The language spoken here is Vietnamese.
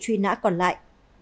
truy nạn còn lại